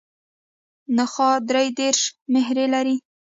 نخاع درې دیرش مهرې لري.